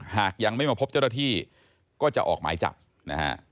หากยังไม่มาพบเจ้าหน้าที่ก็จะออกหมายจับนะฮะ